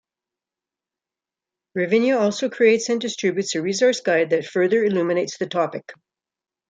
Ravinia also creates and distributes a resource guide that further illuminates the topic.